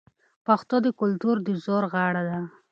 پښتو د کلتور د زرو غاړه ده.